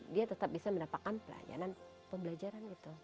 dia tetap bisa mendapatkan pelayanan pembelajaran gitu